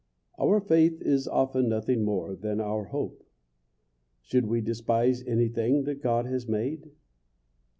Our faith is often nothing more than our hope. Should we despise anything that God has made?